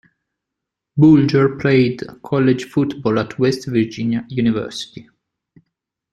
Bulger played college football at West Virginia University.